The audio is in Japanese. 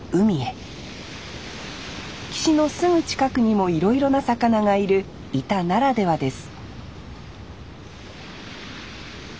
岸のすぐ近くにもいろいろな魚がいる井田ならではです